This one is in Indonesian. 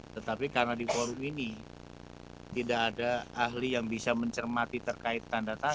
tetapi karena di forum ini tidak ada ahli yang bisa mencermati terkait tanda tangan